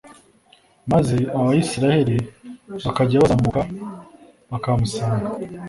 maze abayisraheli bakajya bazamuka bakahamusanga